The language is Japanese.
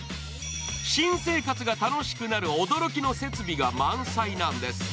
新生活が楽しくなる驚きの設備が満載なんです。